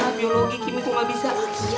ah biologi kimik gak bisa